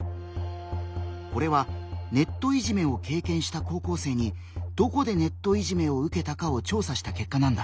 これはネットいじめを経験した高校生に「どこでネットいじめを受けたか」を調査した結果なんだ。